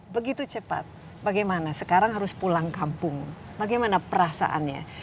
begitu cepat bagaimana sekarang harus pulang kampung bagaimana perasaannya